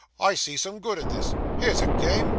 I see some good in this. Here's a game.